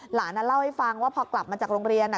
หลานเล่าให้ฟังว่าพอกลับมาจากโรงเรียน